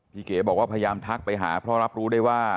เก๋บอกว่าพยายามทักไปหาเพราะรับรู้ได้ว่า